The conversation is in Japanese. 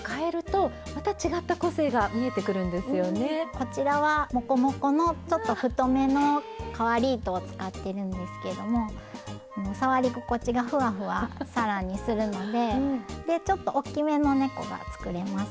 こちらはモコモコのちょっと太めの変わり糸を使ってるんですけども触り心地がふわふわ更にするのででちょっと大きめのねこが作れます。